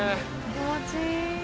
気持ちいい。